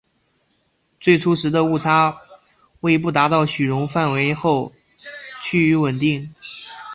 最初时的误差为不达到许容范围内后趋于稳定。